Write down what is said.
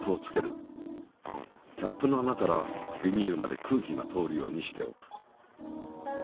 キャップの穴からビニールまで空気が通るようにしておく。